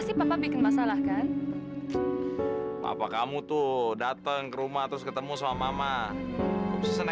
sampai jumpa di video selanjutnya